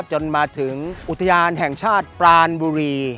จนมาถึงอุทยานแห่งชาติปรานบุรี